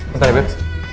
bentar ya beb